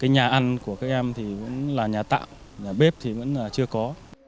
nhà ăn của các em thì vẫn là nhà tạm nhà bếp thì vẫn chưa có